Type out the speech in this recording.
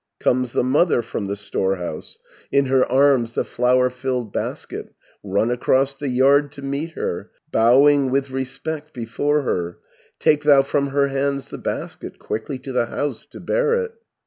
250 "Comes the mother from the storehouse, In her arms the flour filled basket, Run across the yard to meet her, Bowing with respect before her, Take thou from her hands the basket, Quickly to the house to bear it.